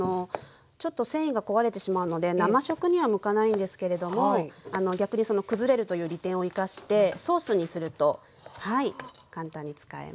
ちょっと繊維が壊れてしまうので生食には向かないんですけれども逆にその崩れるという利点を生かしてソースにするとはい簡単に使えます。